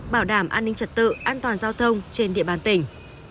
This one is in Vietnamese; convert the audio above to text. bảo đảm an ninh trật tự an toàn giao thông trên địa bàn tỉnh